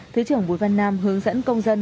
thứ trưởng bùi văn nam hướng dẫn công dân